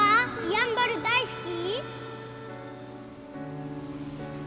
やんばる大好き？